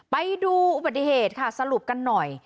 ไปดูอุบัติเหตุค่ะสรุปกันหน่อย